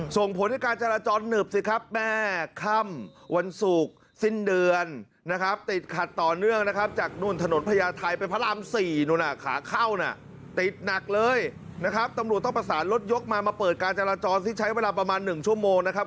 ตำรวจต้องประสาทรถยกมามาประกาศการจัดละจรที่ใช้เวลาประมาณหนึ่งชั่วโมงนะครับ